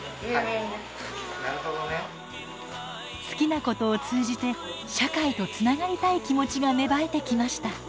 好きなことを通じて社会とつながりたい気持ちが芽生えてきました。